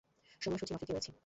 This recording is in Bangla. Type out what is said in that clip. সময়সূচী মাফিকই রয়েছি।